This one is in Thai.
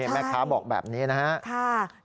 แม็กซ์ภาพบอกแบบนี้นะครับ